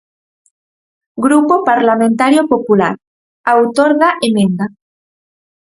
Grupo Parlamentario Popular, autor da emenda.